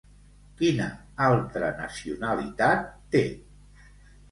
Quina altra nacionalitat té?